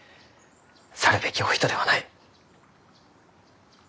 去るべきお人ではない。